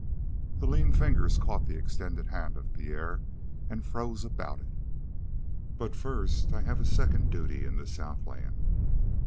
The lean fingers caught the extended hand of Pierre and froze about it. "But first I have a second duty in the southland."